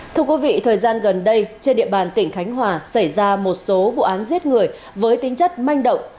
thưa quý vị thời gian gần đây trên địa bàn tỉnh khánh hòa xảy ra một số vụ án giết người với tính chất manh động